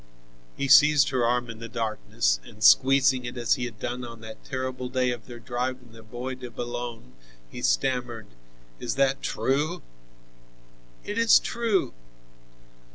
He seized her arm in the darkness, and squeezing it as he had done on that terrible day of their drive in the Bois de Boulogne, he stammered: "Is that true?" "It is true."